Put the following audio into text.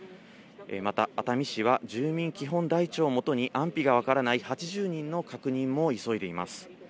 また熱海市は、住民基本台帳を基に、安否が分からない８０人の確認も急いでいます。